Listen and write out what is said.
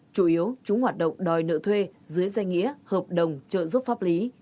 chủ yếu chúng hoạt động đòi nợ thuê dưới danh nghĩa hợp đồng trợ giúp pháp lý